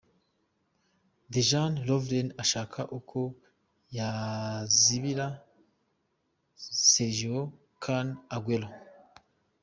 Dejan Lovren ashaka uko yazibira Sergio Kun Aguero.